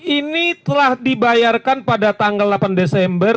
ini telah dibayarkan pada tanggal delapan desember